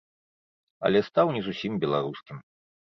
Але стаў не зусім беларускім.